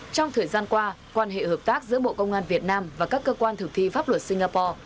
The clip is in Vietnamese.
trong thời gian qua quan hệ hợp tác giữa bộ công an việt nam và các cơ quan thực thi pháp luật singapore